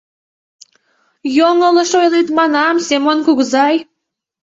— Йоҥылыш ойлет, манам, Семон кугызай.